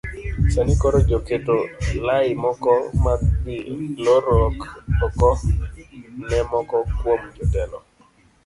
Sani koro joketo lai moko mag dhi loro oko ne moko kuom jotelo